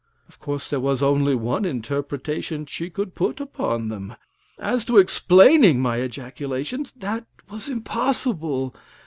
Of course, there was only one interpretation she could put upon them. As to explaining my ejaculations, that was impossible.